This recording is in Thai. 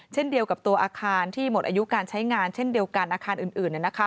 เช่นเดียวกับตัวอาคารที่หมดอายุการใช้งานเช่นเดียวกันอาคารอื่น